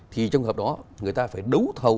thì trong hợp đó người ta phải đấu thầu